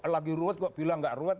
lagi ruwet kok bilang nggak ruwet